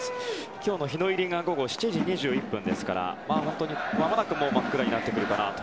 今日の日の入りが午後７時２１分ですからまもなく真っ暗になってくるかなと。